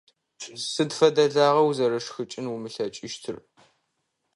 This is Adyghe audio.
Сыд фэдэ лагъа узэрышхыкӀын умылъэкӀыщтыр?